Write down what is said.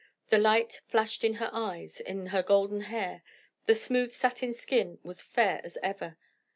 The light flashed in her eyes, in her golden hair; the smooth satin skin was fair as ever.